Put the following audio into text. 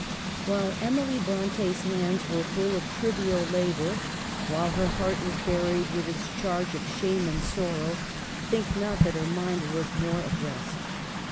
While Emily Bronte's hands were full of trivial labor, while her heart was buried with its charge of shame and sorrow, think not that her mind was more at rest.